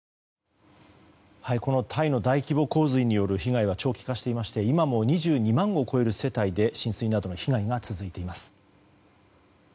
このタイの大規模洪水による被害は長期化していまして今も２２万を超える世帯で浸水などの被害が続いています。